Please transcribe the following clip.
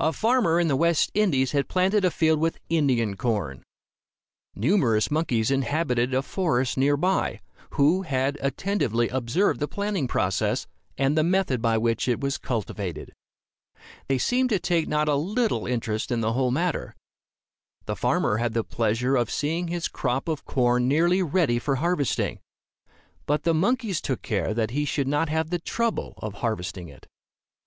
A farmer in the West Indies had planted a field with Indian corn. Numerous monkeys inhabited a forest near by, who had attentively observed the planting process, and the method by which it was cultivated. They seemed to take not a little interest in the whole matter. The farmer had the pleasure of seeing his crop of corn nearly ready for harvesting. But the monkeys took care that he should not have the trouble of harvesting it.